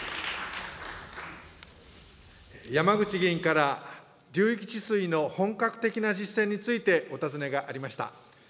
山口議員から、流域治水の本格的な実践について、お尋ねがありました。